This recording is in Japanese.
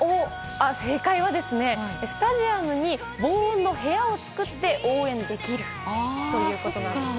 正解は、スタジアムに防音の部屋を作って応援できるということなんです。